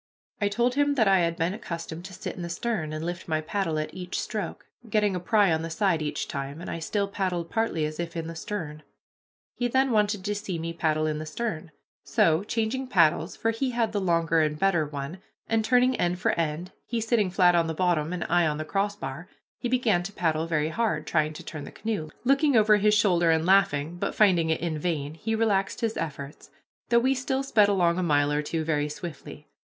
I told him that I had been accustomed to sit in the stern, and lift my paddle at each stroke, getting a pry on the side each time, and I still paddled partly as if in the stern. He then wanted to see me paddle in the stern. So, changing paddles, for he had the longer and better one, and turning end for end, he sitting flat on the bottom and I on the crossbar, he began to paddle very hard, trying to turn the canoe, looking over his shoulder and laughing, but, finding it in vain, he relaxed his efforts, though we still sped along a mile or two very swiftly.